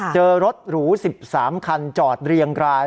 เจอรถหรู๑๓คันจอดเรียงราย